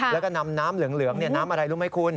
แล้วก็นำน้ำเหลืองน้ำอะไรรู้ไหมคุณ